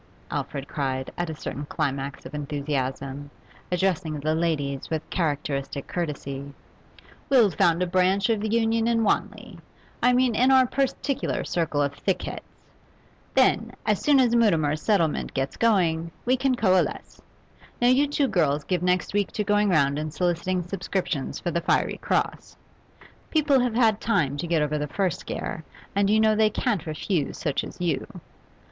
Alfred cried, at a certain climax of enthusiasm, addressing the ladies with characteristic courtesy, 'we'll found a branch of the Union in Wanley; I mean, in our particular circle of thickheads. Then, as soon as Mutimer's settlement gets going, we can coalesce. Now you two girls give next week to going round and soliciting subscriptions for the "Fiery Cross." People have had time to get over the first scare, and you know they can't refuse such as you.